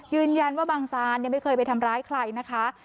ยืนยันว่าบางสารยังไม่เคยไปทำร้ายใครนะคะ